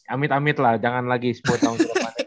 amit amit lah jangan lagi sepuluh tahun ke depan